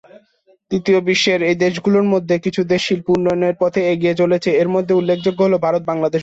তৃতীয় বিশ্বের এই দেশগুলোর মধ্যে কিছু দেশ শিল্প উন্নয়নের পথে এগিয়ে চলেছে; এর মধ্যে উল্লেখযোগ্য হলো ভারত, বাংলাদেশ ও ব্রাজিল।